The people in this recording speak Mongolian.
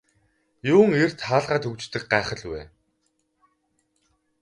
Юун эрт хаалгаа түгждэг гайхал вэ.